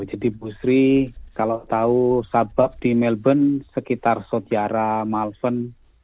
jadi bu sri kalau tahu sabab di melbourne sekitar sotiara malvern